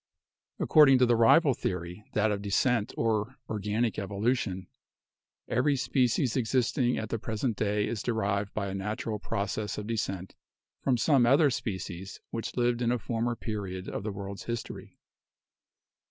According to the rival theory — that of Descent or Organic Evolution — every species existing at the present day is derived by a natural process of descent from some other species which lived in a former period of the world's history.